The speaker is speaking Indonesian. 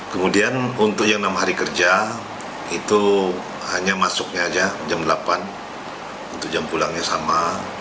kemudian untuk yang enam hari kerja itu hanya masuknya aja jam delapan itu jam pulangnya sama